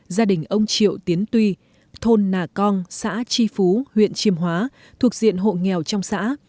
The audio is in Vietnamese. gia đình ông triệu tiến tuy thôn nà cong xã tri phú huyện chiêm hóa thuộc diện hộ nghèo trong xã